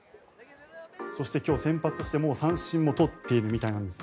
そして、今日先発してもう三振も取っているみたいです。